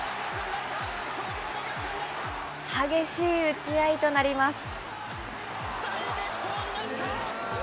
激しい打ち合いとなります。